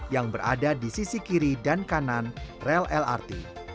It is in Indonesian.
yang berada di sisi kiri dan kanan rel lrt